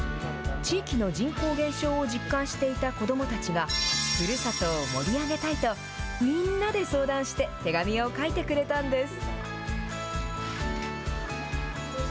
地域の人口減少を実感していた子どもたちが、ふるさとを盛り上げたいと、みんなで相談して手紙を書いてくれたんです。